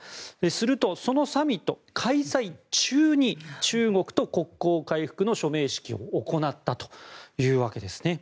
すると、そのサミットの開催中に中国と国交回復の署名式を行ったということです。